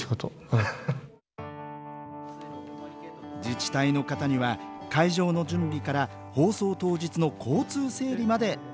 自治体の方には会場の準備から放送当日の交通整理まで手伝って頂いています。